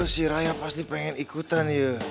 si raya pasti pengen ikutan ya